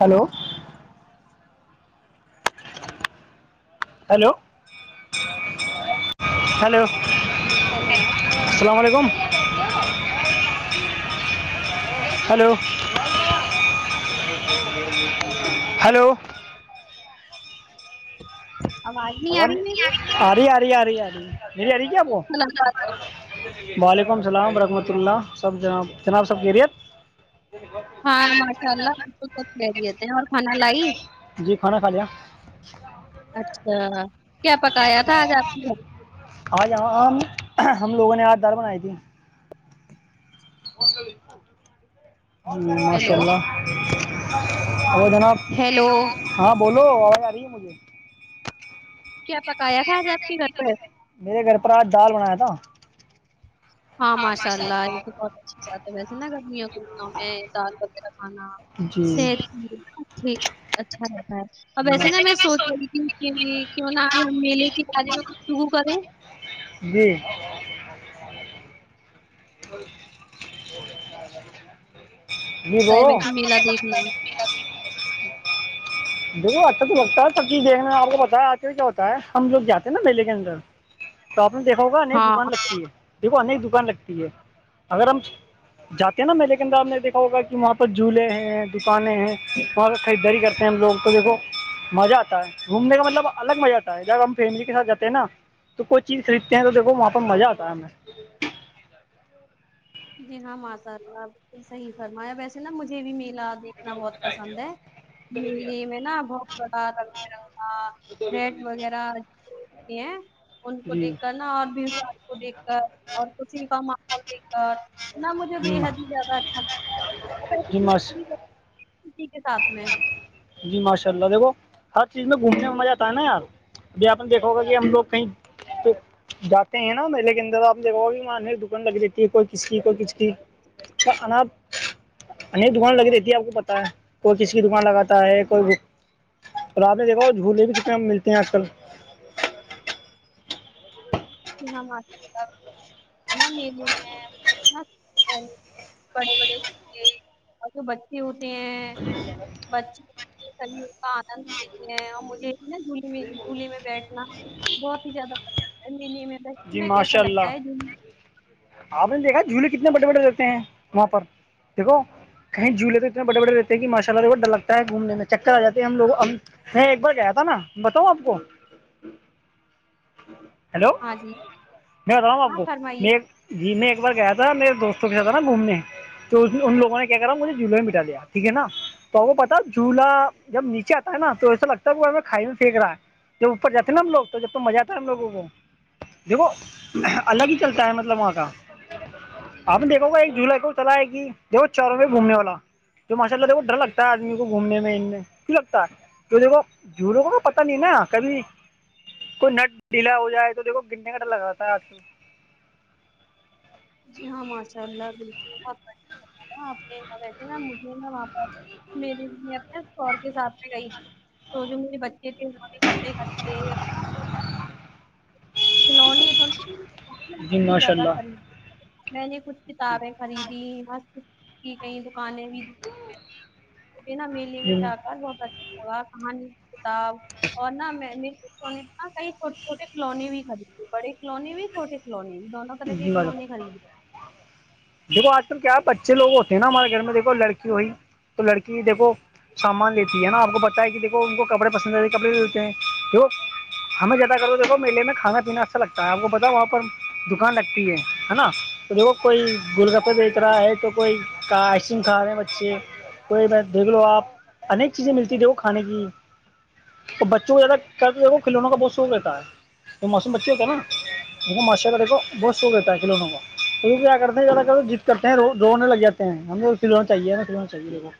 Hello hello hello hello السلام علیکم hello hello آواز نہیں آ رہی میری اری اری اری مری اری کیا اپ کو سلام. وعلیکم السلام رحمۃ اللہ سب جناب جناب سب کہہریت ہاں ماشاء اللہ ب سھ کہہریتے ہیں اور کھانا لائی جی کھانا کھا لیا اچھا کیا پکایا تھا آج آپ کی آاں جاںم ہم لوگوں نے ھم لوگو نے دار بنائی تھی ماشاء ہیلو اللہ ابو جناب ہیلو ہاں بولو آواز آ رہی ہے مجھے کیا پکایا تھا آج آپ کے گھر پر میرے گھر پر آج دال بنایا تھا ہاں ماشاء اللہ یہ تو بہت اچھی بات ویسے نا گرمیوں کے دنوں میں دال وغیرہ کھانا جی صحت کی ٹھیک اچھا رہتا ہے اب جی ویسے نا میں سوچ رہی ماشاء کی کیوں نہ آج ہم میلے کے بارے میں گفتگو کریں جی [inaudible] ہوتا ہے ویسے میلہ دیکھنا دیکو اچھا تو لگتا ہے سب چیز دیکنے میں آپ کو پتا آتے کیا ہوتا ہے ہم لوگ جاتے ہیں نا میلے کے اندر تو آپ نے دیکھا ہوگا نئی ہاں دکان لگتی ہے دیکھو ان ایک دکان لگتی ہے اگر ہم جاتے ہیں نا ملے کے اندر آ نے دیکھ ہوگا کی وہاں پے جولے ہیں دکانیں ہیں وہاں پے خریداری کرتے ہیں ہم لوگ تو دیکھو ماجہ آتا ہے گھومنے کا مطلب الگ ماجہ آتا ہے جب ہم فیملی کے ساتھ جاتے ہیں نا تو کوئی چیز خریدتے ہیں تویکھو وہاں پے ماجہ آتا ہے ہمیں جی ہاں ماساء اللہ بالکل صحیح فرمایا ویسے نا مجھے بھی میلہ دیکھنا بہت پسند ہے میلے میں نا بہت بڑا رنگبرنگا ریڈ وغیرہ ان کو جی دیکھ کر نا اور بھی کو دیکھ اور کوچی کا ماحول دیک تو نا مجھے بے جی ما- حد ہی زیادہ اچھا لگتا ہے جی ماشاء اسی کے ساتھ میں جی ماشاء اللہ دیکھو ہر چیز میں گھومنے میں ماجہ آتا ہے نا یار جی آپ نے دیکھا ہوگا کی ہم لوگ کہیں تو جاتے ہیں نا میلے کے اندر آپ دیکوگے وہا نئی دکان لگ دیتی ہے کوئی کس کی کوئی کس کی تو انپ انیک دکان لگی رہتی ہے آپ کو پتا ہے کوئی کس کی دکان لگاتی تا ہے کوئی آپ نے دیکھا جھولے بھی کتنے ملتے ہیں آج کل [inaudible] بڑے بڑے اور بچے ہوتے ہیں بچے سبھی کا آنند لیتے ہیں اور مجھے نا جھولے میں جھولے میں بیٹھنا بہت ہی زیادہ پسند ہے اسی لیے میں بیٹھ جی میں کیسا ماشاء لگتا ہے اللہ جھولی آپ نے دیکھا جھولے کتنے بڑے بڑے دہتے ہیں وہاں پر دیکھو کہیں جھولے تو اتنے بڑے بڑے رہتے ہیں ماشاء االلہ دیکھو ڈر لگتا ہے گھومنے میں چکر آ جاتے ہم لوگ ہم میں ایک بار گیا تھا نا بتاؤں آپ کو ہیلو ہاں جی میں بتاؤں آپ ہاں کو فرمائیے میں جی میں ایک بار گیا تھا میرے دوستوں کے ساتھ تھا نا گھومنے تو ان لوگوں نے کیا کرا مجھے جھولے میں بیٹا لیاٹھیک ہے نا تو وہ پتا جھلا جب نیچے آتا ہے نا تو ایسا لگتا ہے وہ ہمےکھائی میں پھینک رہا ہے جب اوپر جات نا ہم لوگ جب تو ماجہ ہم لوگوں کو دیکھو الگ ہی چلتا ہے مطلب وہاں کا آپ دیکھو گا ایک جھلا کو چلائے گی دیکھو چاروں پاۓ گھومنے والا جو ماشاء اللہ وہ ڈر لگتا ہے آدمی کو گھومنے میں ان میں تو دیکھو جھلو کا پتا نہیں ہے نا کبھی کوئی نٹ ڈیلا ہو جائے تو دیکو گننے ڈر لگا رہا ہے آج کل جی ہاں ماشاء اللہ بالکل آپ نے ویسے نا مجھے نا وہاں پر میری میں اپنےشوہر کے ساتھ میں گئی تھی تو جو میرے بچے تھے کپڑے خریدے [inaudible] کچھ کل جی ماشاء اللہ کتابیں خریدی بس کی کئی دکانیں بھی نا میلے جی میں جا کر بہت اچ کہانی کتاب اور نا مینے بچو کئی چھوٹے چھوٹے کلونی بھی بڑے کلونی بھی چھوٹٹی کالونی بھی دونوں [unintelligible] طرح کے کھلونے خریدے دیکھو آج کل کیا ہے بچے لوگ ہوتے ہیں نا ہمارے گھر میں دیکھو لڑکی ہوئی تو لڑکی دیکھو سامان لیتی ہے نا آپ کو پتا ہے کی دیکھو ان کو کپڑے پسند آتے کپڑے لیتے ہیں دیکھو ہمیں زیادہ تر تو دیکھو میلے میں کھانا پینا اچھا لگتا ہے آپ کو پتا وہاں پر دکان لگتی ہے ہے نا تو دیکھو کوئی گول گپے بیچھ رہا ہے تو کوئی کا آئس کریم کھا رہے ہیں بچے کوئی بس دیکھ لو آپ انیک چیزیں ملتی تھ وہ کھانے کی اور بچوں کو زیادہ کرتے کھیلونوں کا بہت شوق رہتا ہے وہ معصوم بچے ہوتے ہیں نا وہ ماشاءالله دیکھو بہت شوق رہتا ہے کھیلونوں کا تو کیا کرتے ہیں زیادہ ضد کرتے ہیں رونے لگ جات ہیں ہم کو کھیلونے چاہیے کھیلونے چاہے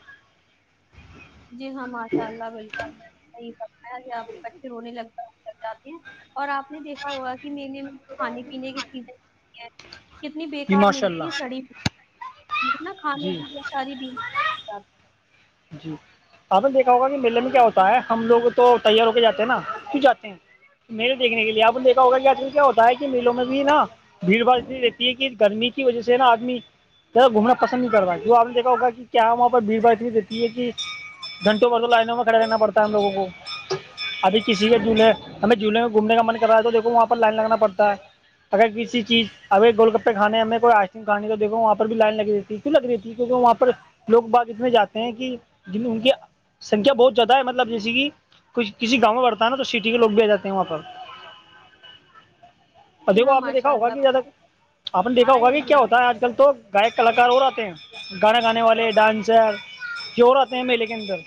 جی ہاں ماشاء اللہ بالکل صحیح پتا ہے آپ کے بچے رونے لگ لگ جاتے ہیں اور آپ نے دیکھا ہوگا کی میلے میں کھانے پینے کی چیزیں ہوتی ہیں کتنی بے جی کار ماشاء ملتی ہے اللہ سڑی ملتی نا کھانے جی سے ساری بیماری جی آپ نے دیکھا ہوگا کہ میلے میں کیا ہوتا ہے ہم لوگ تو تیار ہو کے جا تے ہیں نا کیوں جاتے ہیں میلے دیکھنے کے لیے آپ نے دیکھا ہوگا کیااکثر کیا ہوتا ہے کہ میلوں میں بھی نا بھیڑ بھڑ انی رہتی ہے کہ گرمی کی وجہ سے نا آدمی گھومناپسند نہیں کر رہا جو آ پنے دیکا ہوگا کی کیا وہاں پر بھیڑ بھاڑاتنی یہ کی گھنٹوں گھنٹوں لائنوں میں کھڑا رہنا پڑتا ہے ہم لوگوں کو ابھی کسی کے جھولے ہمیں جھولے میں گھومنے کا من کر رہا ہے تو وہاں پر لائن لگانا پڑتا ہے اگر کسی چیز اگر گول گپے کھانے ہمیں کو آئس کھانا ہو تو وہاں پر بھی لائن لگای ہوئی رہتی لگ رہی تھی کیونکہ وہاں پر لوگ باغ میں جاتے ہیں کی جن ان کے سکھیا بہت زیادہ ہے مطلب جیسیے کی کسی گاؤں میں پڑتا ہے نا تو سٹی کے لوگ بھی آ جاتے ہیں وہاں پر ہیں جی دیکھو ہاں آپ نے دیکھا ماشاء ہوگا اللہ کہ زیادہ آپ نے دیکھا بخار آئی ہوگا ہو کی جی کیا آپ ہوتا ہے آج کل تو گائیک کلاکار اور آتے ہیں گانا گانے والے ڈانسر چور آتے ہیں میلے کے اندر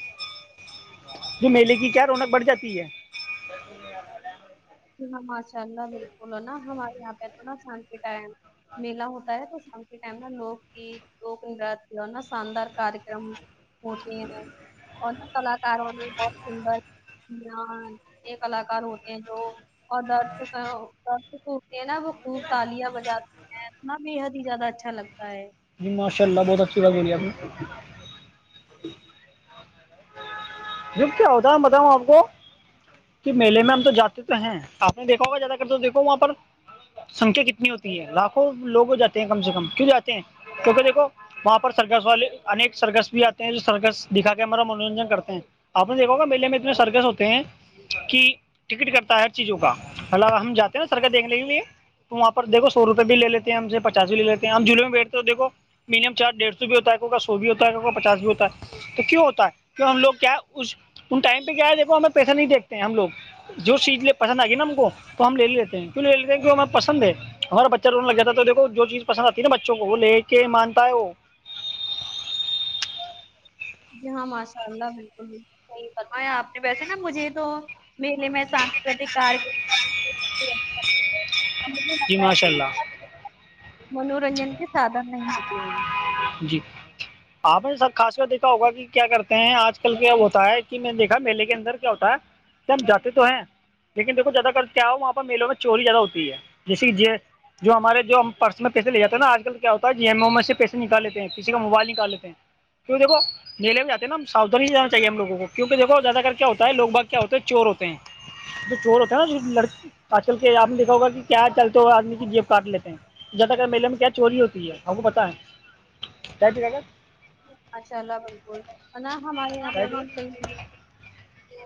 جو میلے کی کیا رونق بڑھ جاتی ہے جی ہاں ماشاء اللہ بالکل نا ہمارے یہاں پہ تو نا شام کے ٹائم میلا ہوتا ہے تو شام کے ٹائم نا لوک گیت لوک نرت اور نا شاندار کارکرم ہوتے ہے اور کلاکاروں نے بہت سندر یہ کلاکار ہوتے ہیں جو اور درد کا درد کوٹتے ہیں نا وہ خوب تالیاں بجاتے تونا بےحد ہی زیادہ اچھا لگتا ہے جی ماشاء اللہ بہت اچھی بات بولی آپنے جب کیا ہوتا ہے میں بتاؤں آپ کو کے میلے میں ہم تو جاتے تو ہیں آپ نے دیکھا ہوگا زیادہ تر تو دیکھو وہاں پر سنکھیا کتنی ہوتی ہے لاکھوں لوگ جاتے ہیں کم سے کم کیوں جاتے ہیں کیونکہ دیکھو وہاں پر سرکس والے انیک سرکس بھی آتے ہیں جو سرکس دکھا کے ہمارا منورنجن کرتے ہیں آپ نے دیکھا ہوگا میلے میں اتنے سرکس ہوتے ہیں کی ٹکٹ کرتا ہے ہر چیزوں کا مطلب ہم جاتے ہیں نا سرکس دیکھنے کیلئے تو وہاں پردیکھو سو روپئے بھی لے لیتے ہیں ہم سے پچاس بھی لے لیتے ہیں ہم جھولے میں بیٹھتے ہے تو دیکھو میڈیم چارج ڈیڑھ سو بھی ہوتا ہے کسیکا سو بھی ہوتا ہے کسیکا پچاس بھی ہوتا ہے توکیوں ہوتا ہے کیوں ہم لوگ کیا اس ان ٹائم پہ کیا ہے ج ہمیں پیسہ نہیں دیکھتے ہیں ہم لوگ جو چیز پسند آ گی نا ہم کو تو ہم لے لیتے ہیں کیوں لے لیتے ہیں کی ہمیں پسند ہے ہمارا بچہ رونے لگ جاتا تو دیکھو جو چیز پسند آتی ہے نا بچوں کو وہ لے کے مانتا ہے وہ جی ہاں ماشاء اللہ بالکل بالکل صحیح فرما ہے آپ نے ویسے نا مجھے تو میلے میں سانسکریتک کریکرم جی ماشاء اللہ [unintelligible] منورنجن کے سادھن ہی ہوتے ہیں جی آپ سب خاص کر دیکھا ہوگا کی کیا کرتے ہیں آج کل کیا ہوتا ہے کی میں دیکھا میلے کے اندر کیا ہوتا ہے سب جاتے تو ہیں لیکن دیکھو زیادہ تر کیا ہو وہاں پر میلوں میں چوری زیادہ ہوتی ہے جیسے جو ہمارے جو ہم پرس میں پیسے لے جاتے ہیں نا آج کل کیا ہوتا ہے جیبوں میں سے پیسے نکال لیتے ہیں کسی کا موبائل نکال لیتے ہیں کیوں دیکھو نیل میں جاتے ہیں ن ہم ساتھن ہی جانااہے ہم میلے میں جاتے ہے ہم سودھانی سے جانا چاہیے ہم لوگوں کو کیونکہ دیکھو زیادہ کر کیا ہوتا ہے لوگ باگ کیا ہوتے ہیں چور ہوتے ہیں جو چور ہوتا ہے نا لک آج کل کے آپ نے دیکھا ہوگا کہ کیا چلتے ہوے آدمی کی جیب کاٹ لیتے ہیں جدا کر میلے میں کیا چوری ہوتی ہے ہم کو پتاہیں کیا ھان [unintelligible] ماشاء اللہ بالکل اذان ہمارے یہاں پہ بھی کیا ک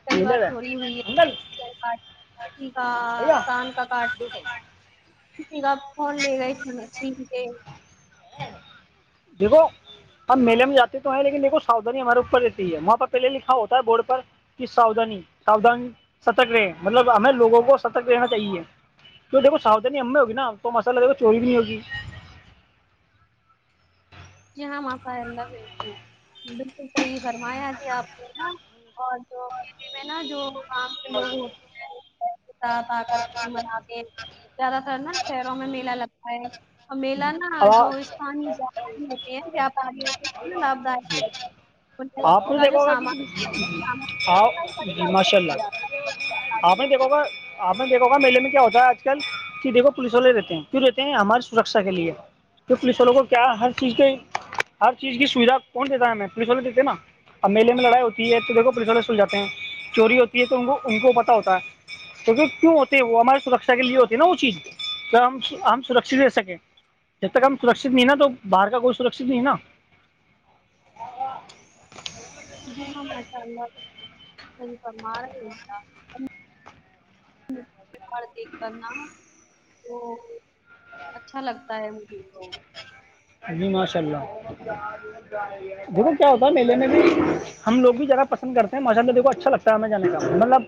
کئی بار میلر ہے چوری ہوئی انکل ہے کا [unintelligible] کان کا کٹ بٹ میرا فون لے گئے چھین کے دیکھو ہم میلے میں جاتے تو ہیں لیکن دیکھو ساودھانی ہمارے اوپر رہتی ہے وہاں پہلے لکھا ہوتا ہے بورڈ پر کی ساوھانی ساودھانی ستک رہے مطلب ہمیں لوگوں کو ستک رہنا چاہیے کی دیکھ ساھانی ہم میں ہوگی تو مسالہ دھو چوری بھی نہیں ہوگی جی ہاں ماںشااللہ بلکل بالکل صحیح فرمایا جھی آپ کو نا اور جو میں نا جو کاام کے لوگ ہوتے ہیں ساتھ آ کر کچی مناتے ہیں زیادہ تر نا شہروں میں میلہ لگتا ہے اور میلہ نا جو اب استانی جا پانی ہوگ کتنا لابھدائ ان نے آپ ان کا جو دیکھا ہوگا سامان سامان کہ آپ [unintelligible] دیکھ گا آپ نے دیکھا ہو گا میلے میں کیا ہوتا ہے آج کل کی دیکھو پولیس والے رہتے ہیں کیوں رہتے ہیں ہمارے سورکشا کے لیے توھر پولیس والوں کو کیا ہر چیز کے ہر چیز کی سویدھا کون دیتا ہے ہمیں پولیس والےدیتے ہےنا اب میلے میں لڑائی ہوتی ہے تو دیکھو پولیس والے سل جاتے ہیں چوری ہوتی ہے تو ان کو ان کو پتا ہوتا ہے تو کیوں ہوتے وہ ہمارے سورکشا کے لیے ہوتے نا وہ چیز ہم ہم سورکشت رہ سکتے جب تک ہم سورکشت نہیں نا تو باہر کا کوئی سورکشت نہیں نا جی ہاں ماشاء اللہ آپ سہی فرما رھے دیکھ کرنا تو اچھا لگتا ہے مجھے تو جی ماشاء اللہ دیکھو کیا ہوتا میلے میں بھی ہم لوگ بھی جانا پسند کرتے ہیں ماشاء اللہ دیکھ اچھا لگتا ہے ہمیں جانے کا مطلب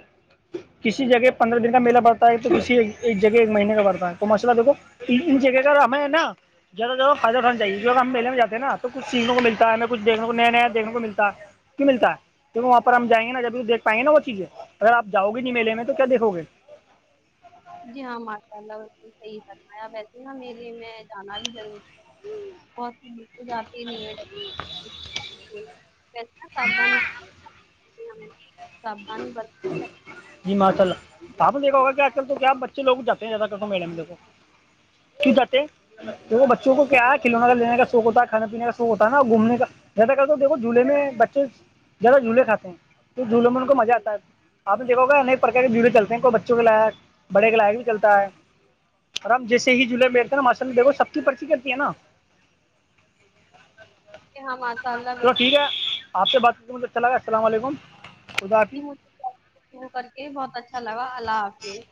کسی جگہ پندرہ دن کا میلہ بڑھتا ہے تو کسی ایک جگہ ایک مہینے کا بڑھتا ہے تو مسئلہ دیکھو جگہ گا ہمیں نا زیادہ جدہ خران چاہیے ا ہم میے میںاتے ہیں ن تو کچھ سیکھنے کو متا ہمیں کچھنے کو نیا نیایکھنے کو ملتا کی ملتا ہے کیونکہ وہاں پر ہم جائیں گے نا جب تویکھ پائیں گ نا وہ چیزیں اگر آپ جاؤ گے نہیں میلے میں تو کیا دیکھو گے جی ہاں ماشاء اللہ بلکل صحیح فرمایا ویسے نا میلے میں جانا بھی ضروری اور [unintelligible] ساودھانی برتی جی ماشاء اللہ توآپ نے دیکھا ہوگا کہ آج کل تو کیا بچے لوگ جاتے ہیں زیادہ کرو میلے میں دیکھو کی چاہتے ہیں ھ بچوں کو کیا ہے کھلونا کا لینے کا شوق ہوتا ہے کھے پینے کا شوق ہوتا نا گھومنے کا زیادہ کر تو دھو جھولے میں بچے زیادہ جھولے کھاتے ہیں تو جھولے میں ان کو مزہ آتا ہے آپ نے دیکھو گا ایک پرک کے جڑو چلتے ہیں کوئی بچوں کے لائق بڑے کے لائق بھی چلتا ہے اور ہم جیسے ہی جھولے بیٹے نا ماشاء اللہ دیکو سب کی پرچی کرتی ہے نا جی ہاں ماشاء اللہ چلو بالکل ٹھیک ہے آپ سے بات کروں تواچھا لگا السلام علیکم خدا جی حافظ مجھے شع کر کے بہت اچھا لگا اللہ حافظ